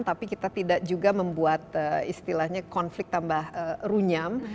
tapi kita tidak juga membuat istilahnya konflik tambah runyam